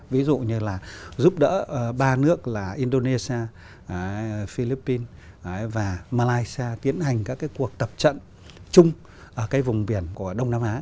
ví dụ như là giúp đỡ ba nước là indonesia philippines và malaysia tiến hành các cái cuộc tập trận chung ở cái vùng biển của đông nam á